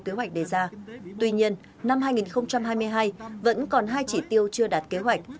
kế hoạch đề ra tuy nhiên năm hai nghìn hai mươi hai vẫn còn hai chỉ tiêu chưa đạt kế hoạch